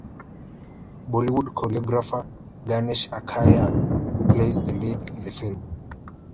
Bollywood choreographer Ganesh Acharya plays the lead in the film.